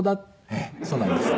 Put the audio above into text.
ええそうなんです。